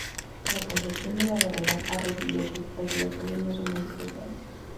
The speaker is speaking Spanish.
La construcción de la Barrera ha recibido críticas de los gobiernos de múltiples países.